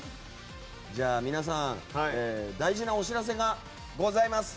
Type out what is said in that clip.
皆さん大事なお知らせがございます。